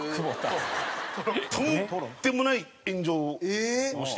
とんでもない炎上をしてて。